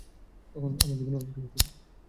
তখন আমার জীবনে অনেক কিছু ছিলো।